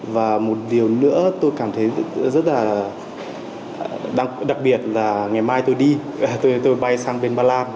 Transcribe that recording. và một điều nữa tôi cảm thấy rất là đặc biệt là ngày mai tôi đi tôi bay sang bên ba lan